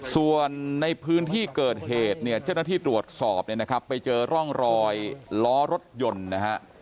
ส่วนในพื้นที่เกิดเหตุเนี่ยเจ้าหน้าที่ตรวจสอบเนี่ยนะครับไปเจอร่องรอยล้อรถยนต์นะฮะ